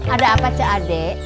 ada apa ce adek